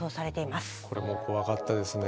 これも怖かったですね